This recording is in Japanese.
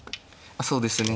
そうですね。